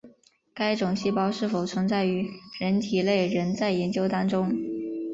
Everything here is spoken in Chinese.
该种细胞是否存在于人体内仍在研究当中。